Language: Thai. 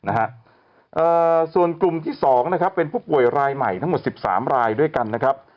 นะฮะเอ่อส่วนกลุ่มที่สองนะครับเป็นผู้ป่วยรายใหม่ทั้งหมดสิบสามรายด้วยกันนะครับ